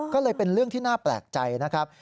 ก็เลยเป็นเรื่องที่น่าแปลกใจนะครับ